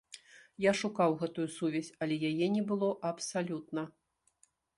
Я шукаў гэтую сувязь, але яе не было абсалютна.